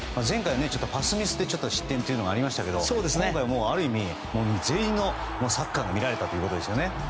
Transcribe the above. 前回はパスミスで失点がありましたけど今回は、ある意味全員のサッカーが見られたということですね。